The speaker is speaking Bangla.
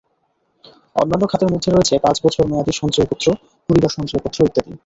অন্যান্য খাতের মধ্যে রয়েছে পাঁচ বছর মেয়ািদ সঞ্চয়পত্র, পরিবার সঞ্চয়পত্র ইত্যাদি।